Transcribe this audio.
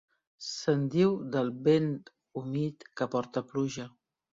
Se'n diu del vent humit que porta pluja.